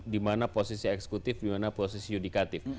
dimana posisi eksekutif dimana posisi yudikatif